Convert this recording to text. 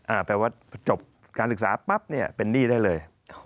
แปลว่าจบการศึกษาปั๊บเนี่ยเป็นหนี้ได้เลย